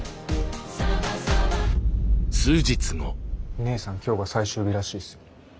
ねえさん今日が最終日らしいっすよ。